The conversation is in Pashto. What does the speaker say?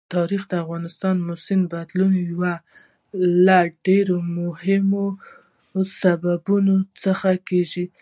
تاریخ د افغانستان د موسم د بدلون یو له ډېرو مهمو سببونو څخه کېږي.